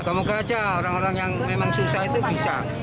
kamu kejauh orang orang yang memang susah itu bisa